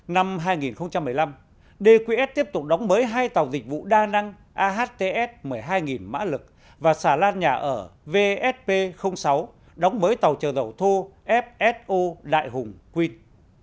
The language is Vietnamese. năm hai nghìn một mươi năm dqs tiếp tục đóng mới hai tàu dịch vụ đa năng ahts một mươi hai mã lực và xà lan nhà ở vsp sáu đóng mới tàu chở dầu thô fso đại hùng quyên